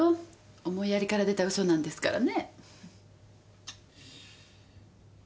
思いやりから出た嘘なんですからね。